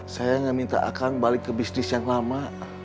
saya gak minta akan balik ke bisnis yang lama